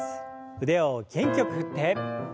腕を元気よく振って。